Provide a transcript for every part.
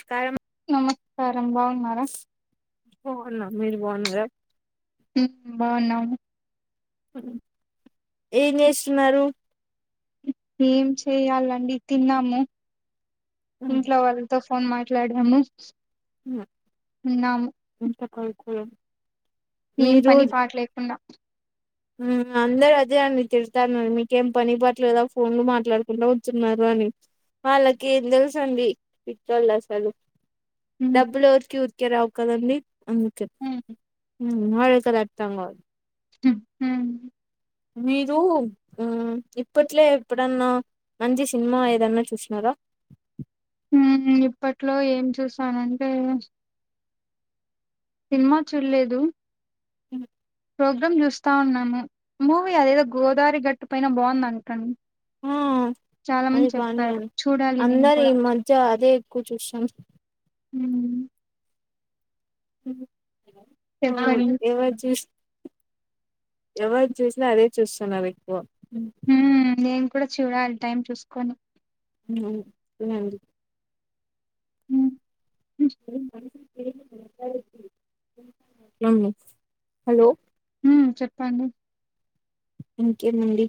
ష్కారం నమస్కారం బాగున్నారా? బాగున్నాం మీరు బాగున్నారా? హ్మ్ బాగున్నాము ఏం చేస్తున్నారు? ఏం చేయ్యాలండి తిన్నాము ఇంట్లో వాళ్ళతో ఫోన్ మా ట్లాడాము ఉన్నాము కొలుకులు ఏం పని పాట్లేకుండా ఉమ్ అందరు అదే అండి తిడ్ తాండారు మీకేం పని పాట్లేదా ఫోన్ లు మాట్లాడుకుంటా కుచ్చున్నారు అని వాళ్ళకి ఏం తెలుసు అండి పిచ్చోళ్ళ అసలు డబ్బులు ఎవ్ రికి ఊర్కే రావ్ కదండి అందుకే ఉమ్ వాళ్ళు కిి అది అర్థం కాదు హ్ము్ మీరు ఉమ్ ఇప్పట్లో ఎప్పుడన్నా మంచి సిన్మా ఏదన్నా చూస్నారా? ఉమ్ ఇప్పట్లో ఏం చూసానంటే సిన్మా చూడ్లేదు ప్రోగ్రామ్ చూస్తా ఉన్నాము. మూవీ అదేదో గోదారి గట్టు పైన బాగుందంట అండ్ ఆ అది బానే ఉంది చూడాలి నేను అందరీ కూడా మధ్య అదే కూ చూషాం ఉమ్, చెప్పండి ఎవర్ చూస్ ఎవర్ చూసినా అదే చూస్తున్నారు ఎక్కువ ఉమ్, నేను కూడా చూడాలి టైం చూస్కొని సరే అండి ఉమ్. అవును హలో ఉమ్ చెప్పండి ఇంకేమండి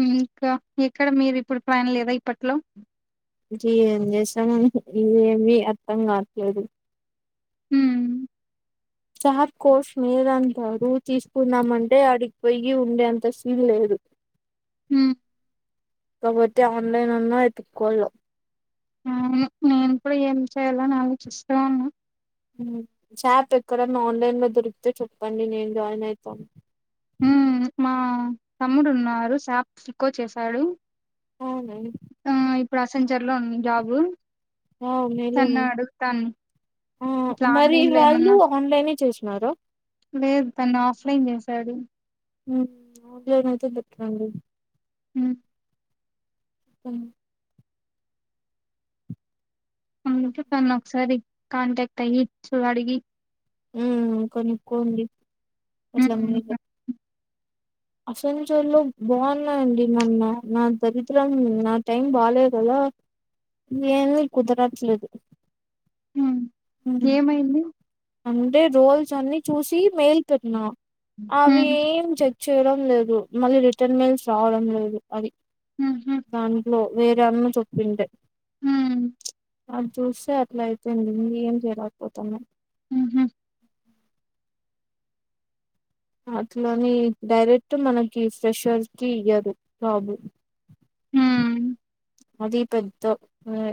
ఉమ్ ఇంకా ఎక్కడ మీరు ఇప్పుడు ప్లాన్ లేదా ఇప్పట్లో ఏం చేశ్తామండి ఏమీ అర్థం కావట్లేదు ఉమ్ చాప్ కోస్ మీదంటారు తీసుకుందామంటే ఆడిగ్పోయ్యి ఉండే అంత సీన్ లేదు ఉమ్ కాబట్టి ఆన్లైన్ అన్నా ఎతుకోవళ్ల అవును నేను కూడా ఏం చేయల్ల అని ఆలోచిస్తా ఉన్నా ఉమ్ చార్ప్ ఎక్కడ ఆన్లైన్ లో దొరికితే చెప్పండి నేన్ జాయిన్ అయితాను హ్మ్. మా తమ్ముడు ఉన్నారు షాప్స్ కో చేసాడు అవునా ఆ ఇప్పుడు అసెంచర్ లో ఉమ్ జాబు తన్ను అవును అడుగుతాను ఆ ఇట్లా మరి ఆన్లైన్ లో వాళ్ళు ఏమన్నా? ఆన్లైనే చేసినారా లేద్ తను ఆఫ్ లైన్ చేశాడు ఉమ్ ఆఫ్ లైన్ ఐతే బెటర్ అండి ఉమ్ ఉమ్ అందుకే తనను ఒకసారి కాంటాక్ట్ అయ్యి అడిగి ఉ కొనుక్కోండి ఎక్కువ మంది హ్మ్. అట్లా అసలు చాలా బాగున్నాయండి మొన్న నా దరిద్రం నా టైం బాలేదు కదా ఏమీ కుదరట్లేదు హ్మ్. ఏమైంది అంటే రోల్స్ అన్ని చూసి మేల్ పెట్టినా అవి హ్మ్. ఏం చెచ్చ చేయడం లేదు మళ్ళీ రిటర్న్ మెయిల్స్ రావడం లేదు అది హుహు. దాంట్లో వేరు అన్న చెప్పుంటే ఉ అది చూస్తే అట్లా అయితుంది ఏం చేయలేకపోతాము ఉ హు అట్లని డైరెక్ట్ మనకి ఫ్రెషర్ కి ఇయ్యారు బబు హ్మ్. అది పెద్ద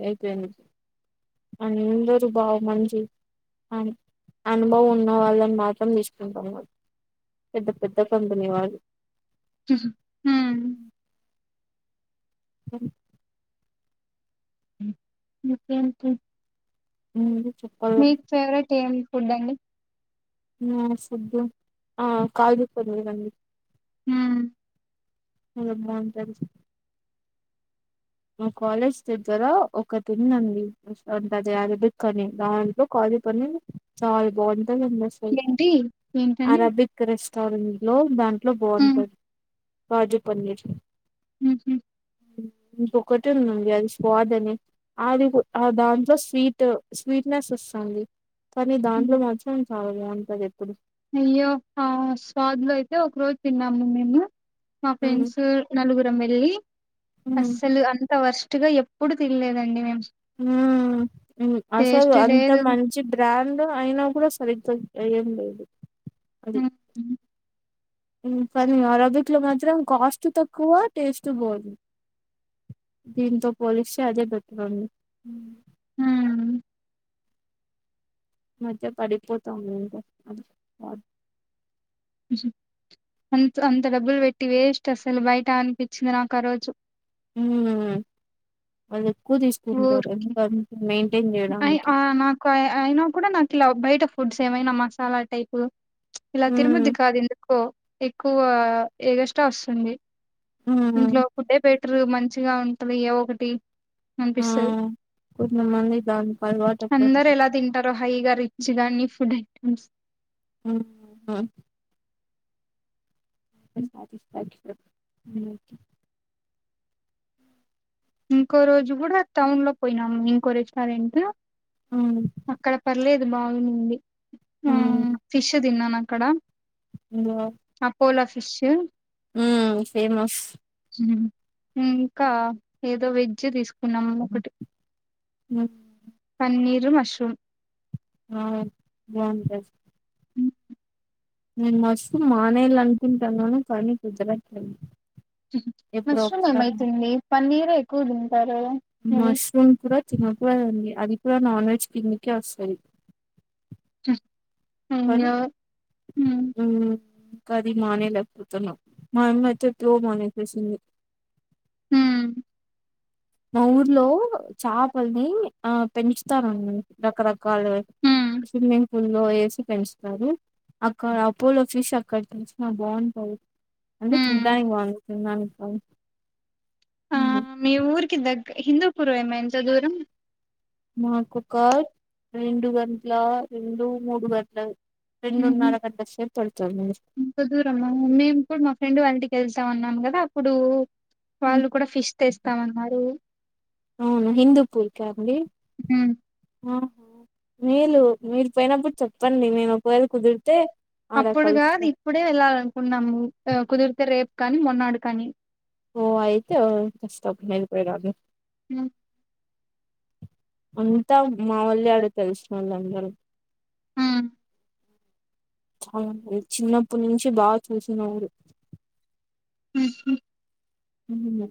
అయిపోయింది అందరు బాగా మంచి అ అనుభవం ఉన్న వాళ్ళని మాత్రం తీసుకుంటాం పెద్ద పెద్ద కంపెనీ వాళ్ళు ఉ హు ఊ అవును ఇంకేంటి ఉంది మీకు ఫేవరెట్ ఏం ఫుడ్ అండి నా ఫుడ్ కాజు పన్నీర్ అండి ఉ అద బాగుంటంది మా కాలేజ్ దగ్గర ఒక ఉంది అండి మస్తు ఉంటది అరబిక్ అని దాంట్లో అరబికని చాలా బాగుంటుంది ఏంటి? ఏంటండి? అరాబిక్ రెస్టారెంట్ దాంట్లో హ్మ్. బాగుంటది కాజు పన్నీర్ ఉ హు ఇంకో ఒకటి ఉందండి అది స్వాద్ అని అది ఆ దాంట్లో స్వీట్ స్వీట్నెస్ వస్తుంది కానీ హ్మ్. దాంట్లో మాత్రం చాలా బాగా ఉంటంది ఎప్పుడు అయ్యో ఆ స్వాద్ లో అయితే ఒక రోజు తిన్నాము మేము మా ఫ్రెండ్స్ నలుగురం వెళ్ళి మ్మ్ అస్సలు అంత వర్షం దీంట్లో ఎప్పుడు తినలేదండి మేము ఆ అసలు టేస్ట్ అంత లేదు. మంచి బ్రాండ్ అయినా కూడా సరితు ఏం లేదు అది హ్మ్. కానీ అరబిక్ లో మాత్రం కాస్ట్ తక్కువ టేస్ట్ పోదు దీంతో పోలిస్తే అదే బెటర్ అండి ఆ ఈ మధ్య పడిపోతావుంది ఉ హు అ అంత డబ్బులు పెట్టి వేస్ట్ అసలు బయట అనిపించింది నాకు ఆ రోజు ఉ అది ఎక్కువ తీసుకుంటున్నా మేను అ నాకు అయినా కూడా నాకు ఇలా బయట ఫుడ్స్ ఏమైనా మసాలా టైపు ఇలా మ్మ్ తిరుముద్ది కాద్ ఎందుకో ఎక్కువ ఏగస్ట వోస్సుంది మ్మ్ ఇంట్లో ఫుడే బెట్రూ మంచిగా ఉంటది ఏవో ఒకటి అనిపిస్తది. ఉమ్ కొందమంది దాన్ అల్ వాటైతది అందరు ఎలా తింటారో హైగా రిచ్చు దానీ ఫుడ్ ఐటమ్స్ ఉమ్ ఆ ఉహ్ ఆకి ఆకి దో ఉమ్ ఇంకో రోజు గూడా టౌన్ లో పోయినామ్ ఇంకో రెస్టారెంటు అక్కడ పర్లేదు బాఉంది ఉమ్ ఫిషుద్ దిన్నా నాక్కడ ఇంగ అపోలా ఫిషు ఉమ్ ఫేమస్ ఉమ్ ఇంకా ఏదో వెజ్జు దిసుకున్నామ్ ఒకటి ఉమ్ న్నీరు మష్రూమ్ ఆ బాఉంటే నేను మష్ రూమ్ మానేలనుకుంటననీ కానీ కుదారట్లే మాష్ రూమ్ ఏమైతుంది పన్నీకే ఎక్కు దిన్ మష్రూమ్ కూడా తినకుడదండి అది కూడా నాన్ వెజ్ కిన్దికే వస్తది కానీ అయ్యో హ్మ్ ఉమ్ కది మానేలేపోతున్నా మా అమ్మయితే తేప్పుడో మానేస్ షేశింది ఉమ్ మా ఊర్లో చేపల్ నీ ఆ పెంచ్ తరన్ రకరకల్ వి హ్మ్ స్విమ్మింగ్ పూల్లో ఏసి పెంచ్ తారు అక్కడ అపోలో ఫీష్ అక్కడ్ నిన్ చ్ నా బాఉంటాది అంటే హ్మ్. చుడాన్ కీ బాఉంటన్ తిన్ డాన్ కీ కాదు ఆ ఉమ్. మీ ఊరికి దేగ్గ హిందూపురు ఏమెంత దూరం మాక్ కోకట్ రొండు గంట్ లా రొండు మూడు గంటల్ ఉమ్ ఇంత దూరమ్మా మేమ్ కూడ్ మా ఫ్రెండ్ వాళ్ ఇంట్ కెల్స్ టానమ్ గదా అప్పుడు ఉమ్. వాళ్ళు కూడా ఫిష్ తెస్తావన్నారు ఔనా హిందూపూర్ క్యాండి హ్మ్ ఆ మీలు మీరు పోయినప్పుడు చెప్పండి నేను ఒకవేళ కుదిరితే ఆడ అప్పుడుగాదు కలుస్తా ఇప్పుడే వెళ్ళాలనుకున్నాము ఆ కుద్ ర్తే రేప్ కానీ మొన్నాడు కానీ ఓ ఐతే వోస్తబ్ హేల్ పే రాదు అ అంతా మావోళ్యాడే తెల్ సీనోల్లాందరూ ఉమ్ ఔనండి చిన్నప్ నుంచి బాగ్ తెల్ శినా ఊరు ఉమ్ హుహుమ్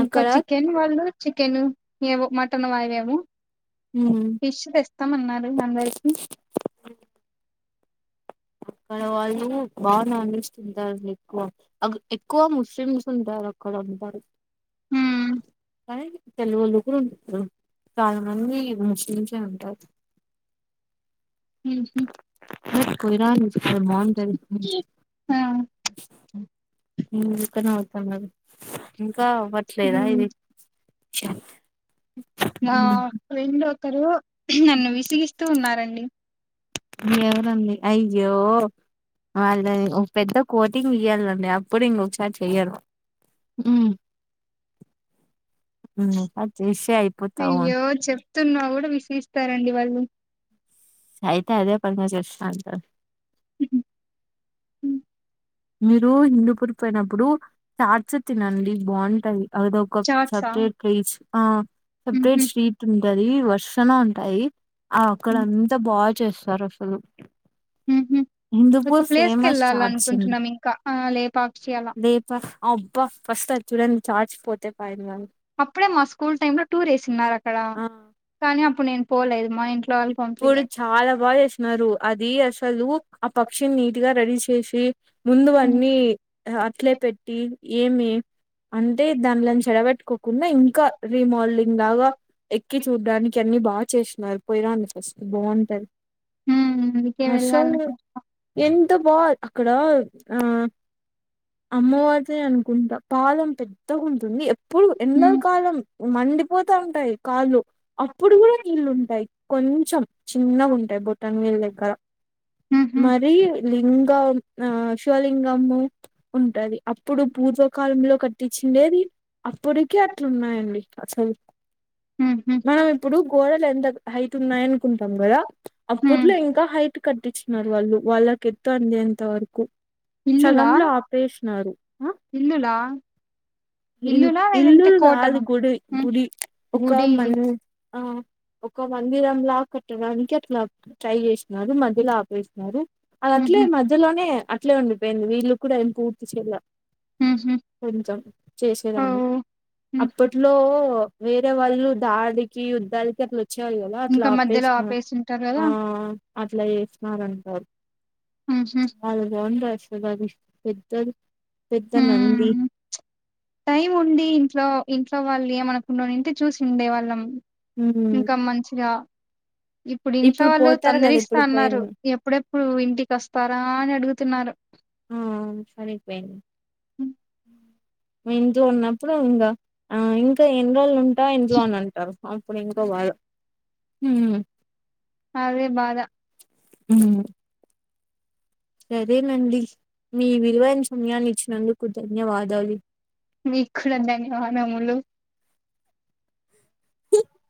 ఇంకా చికెన్ వాళ్ళు చికెను ఏవో మటన్ వాయ్ వేవో ఉమ్, ఫిషు తెస్తామన్నారు అందర్ కీ ఆ క్కడ వాళ్ళు బాగా నాన్ వెజ్ తింటారండి ఎక్కువ అగు ఎక్కువ ముస్లిమ్ సుంటారు అక్కడ పాడు హ్మ్ కానీ తెలుగోలో గూడూన్ ఉమ్ చాలా మంది ముస్లిమ్స్ యే ఉంటార్ ఉహు హట్ కో ఇరా [unintelligible] బాగుంటది ఆ ఇక్కనే అవుతాన్నారు ఇంకా అవ్వట్లేదా హ్మ్ ఇది నా ఫ్రెండ్ ఒకరు నన్ను విసిగిస్తూ ఉన్నారండి అయ్యో వాళ్ళని ఓ పెద్ద కోటింగ్ ఇయ్యాలండి అప్పుడు ఇంకొసారి చెయ్యరు మ్ మ్ అది చేస్తే అయిపోతమ తున్నా కూడా విసిగిస్తారండి వాళ్ళు అయితే అదే పనిగ చేస్త ఉంటారు మీరు హిందుపుర్ పోయినప్పుడు చార్ార్చ తినండి బాగుంటది అద ఒక చాట్సా సెపరేట్ క్రిచ్ ఆ సెపరేట్ ఉహు స్ట్రీట్ ఉం టది వర్సణ ఉంటాయి ఆ అక్కడ అంతా బాగా చేస్తారు అసలు ఉహు ఒక హిందుపూర్ ప్లేస్ కి ఫేమస్ వెళ్ళాలి చార్జ ఉంది అనుకుంటున్నాం ఇంకా ఆ లేపాక్షి అలా లేపా అ అబ్బా ఫస్ట్ అది చూడన్ చార్జ్ పోతెమాయేనే గని అప్పుడే మా స్కూల్ టైమ్ లో టూర్ వేసున్నారు అక్కడ ఆ! కానీ అప్పుడు నేను పోలేదు మా ఇంట్లో వాళ్ళు ఇప్పుడు పంపిలేదు చాలా బాగా చేస్తున్నారు అద్ ది అసలు ఆ పక్షిని నీట్ గా రెడీ చేసి ముందువన్నీ అట్లే పెట్టి ఏమి అంటే దాన్లన్ చెడబెట్టుకోకుండా ఇంకా రీమోల్డ్ లాగ ఎక్కి చూడ్డానికి అన్ని బాగా చేసినారు పోయిరండి ఫస్ట్ బాగుంటది ఉమ్ అందుకే వెళ్ళాలి అసలు ఎంత బా అక్కడ ఆ అమ్మవారిదే అనుకుంటా పాదం పెద్దగా ఉంటుంది ఇప్పుడు ఎండ ఉమ్ కాలం మండిపోతా ఉంటాయి కాళ్ళు అప్పుడు కూడా నీళ్ళు ఉంటాయి కొంచెం చిన్నగుంటాయి బుటన్ నిల్ల దగ్గర ఉహు మరి లింగం ఆ శివలింగము ఉంటది అప్పుడు పూర్వకాలంలో కట్ టిచ్చిందేది అప్పటికి అట్లున్నాయండి అసలు ఉహు మనం ఇప్పుడు గోడలు ఎంత హైట్ ఉన్నాయి అనుకుంటాం కదా అప్పట్లో ఉహు ఇంకా హైట్ కట్టించినారు వాళ్ళు వాళ్ళక్ ఎత్తు అందెంత వరకు ఇల్లులా సగంలో ఆపరేషినారు ఇల్లులా ఇ ఇల్లులా ఇల్లు లేదంటే కాదు కోటనా గుడి గుడి ఒక గుడి మన్ ఆ ఒక మందిరం లా కట్టడానికి అట్లా ట్రై చేసినారు మధ్యలో ఆపేసినారు అది అట్లే ఉహు మధ్యలోనే అట్లే ఉండిపోయింది వీళ్ళు కూడా ఎం పూర్తి చేయలే ఉహు కొంచెం ఓ చేసేదాన్ని ఉహు అప్పట్లో వేరే వాళ్ళు దడికి యుద్ధలకి అట్లో చెయ్యాలి కాద అట్లా ఇంకా మధ్యలో ఆపేసినర్ ఆపేసింటారు కదా ఆ అట్ అట్లా ఏసినారంటారు ఉహు వాళ్ళు బా దాది పెద్దది పెద్ద నంది టైమ్ ఉండి ఇంట్లో ఇంట్లో వాళ్లేమనకుండా ఉంనింటే చూసిండే వాళ్ళం ఉమ్ ఇంకా మంచిగా ఇప్పుడు ఇంట్లో వాళ్ళు పోతారు కదా ఇప్పుడు తొందరిస్తాన్నారు పోయింది ఎప్పుడెప్పుడు ఇంటికోస్తారా అని అడుగు తున్నారు ఆ సరిపోయింది ఇంట్లో ఉన్నప్పుడు ఇంకా ఆ ఇంకా ఎన్ని రోజులు ఉంటావ్ ఇంట్లో అని అంటారు అప్పుడు ఇంకో బాధ ఉమ్ అదే బాధ ఉమ్ సరేనండి మీ విలువైన సమయాన్ని ఇచ్చినందుకు ధన్యవాదాలు మీ కూడా ధన్యవాదములు ధన్యవాదాలు